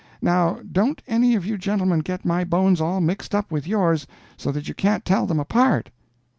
Now don't any of you gentlemen get my bones all mixed up with yours so that you can't tell them apart."